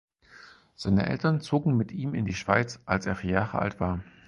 Seine Eltern zogen mit ihm in die Schweiz, als er vier Jahre alt war.